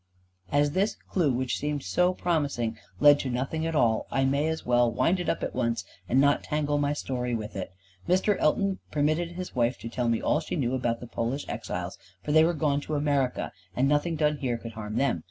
As this clue, which seemed so promising, led to nothing at all, I may as well wind it up at once, and not tangle my story with it. Mr. Elton permitted his wife to tell me all she knew about the Polish exiles, for they were gone to America, and nothing done here could harm them.